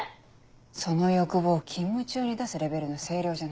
その欲望勤務中に出すレベルの声量じゃないでしょ。